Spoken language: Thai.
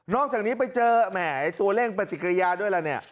อกจากนี้ไปเจอแหมตัวเลขปฏิกิริยาด้วยล่ะเนี่ย